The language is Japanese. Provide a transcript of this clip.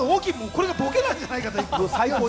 これがボケなんじゃないかという。